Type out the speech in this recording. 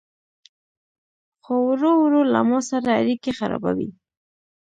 خو ورو ورو له ما سره اړيکي خرابوي